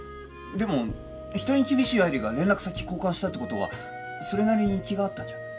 でも人に厳しい愛理が連絡先交換したって事はそれなりに気が合ったんじゃ？